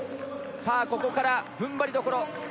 さあ、ここから踏ん張りどころ。